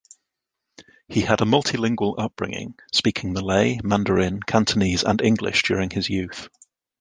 He had a multilingual upbringing, speaking Malay, Mandarin, Cantonese and English during his youth.